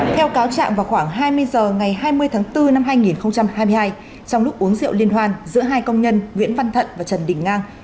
theo cáo trạng vào khoảng hai mươi h ngày hai mươi tháng bốn năm hai nghìn hai mươi hai trong lúc uống rượu liên hoan giữa hai công nhân nguyễn văn thận và trần đình ngang